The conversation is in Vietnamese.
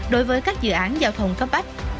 đối với các dự án giao thông cấp bách